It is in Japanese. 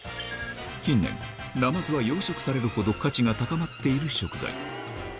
近年、ナマズは養殖されるほど価値が高まっている食材。